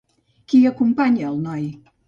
Qui acompanya el noi?